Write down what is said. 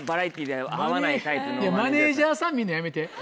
マネジャーさん見んのやめて。